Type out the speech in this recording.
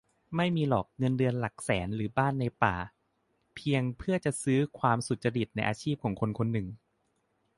"ไม่มีหรอกเงินเดือนหลักแสน หรือบ้านในป่า เพียงเพื่อจะซื้อความสุจริตในอาชีพของคนคนหนึ่ง"